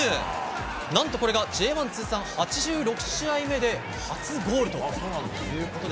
何とこれがＪ１通算８６試合目で初ゴールということで。